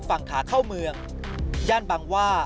ฝั่งขาเข้าเมืองย่านบางว่า